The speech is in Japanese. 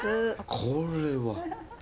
これは。